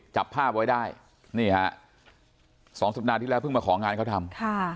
จับภาพไว้ได้นี่ฮะสองสัปดาห์ที่แล้วเพิ่งมาของานเขาทำ